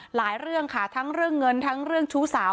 หลายเรื่องค่ะทั้งเรื่องเงินทั้งเรื่องชู้สาว